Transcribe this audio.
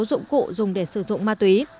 dụng cụ dùng để sử dụng ma túy